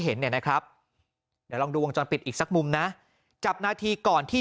เห็นเนี่ยนะครับเดี๋ยวลองดูวงจรปิดอีกสักมุมนะจับนาทีก่อนที่